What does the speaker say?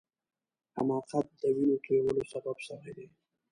حماقت د وینو تویولو سبب سوی دی.